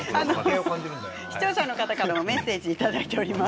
視聴者の方からメッセージいただいております。